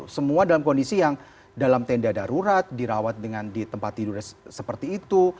semua dalam kondisi yang dalam tenda darurat dirawat dengan di tempat tidur seperti itu